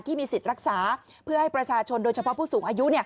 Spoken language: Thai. ที่มีสิทธิ์รักษาเพื่อให้ประชาชนโดยเฉพาะผู้สูงอายุ